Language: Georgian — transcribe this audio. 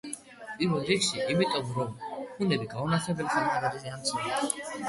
პირველ რიგში, იმიტომ, რომ ჰუნები გაუნათლებელ ხალხად არიან ცნობილი.